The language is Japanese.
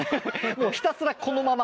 もうひたすらこのまま。